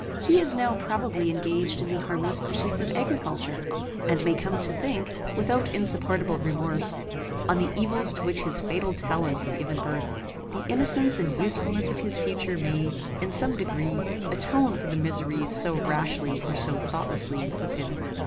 He is now probably engaged in the harmless pursuits of agriculture, and may come to think, without insupportable remorse, on the evils to which his fatal talents have given birth. The innocence and usefulness of his future life may, in some degree, atone for the miseries so rashly or so thoughtlessly inflicted.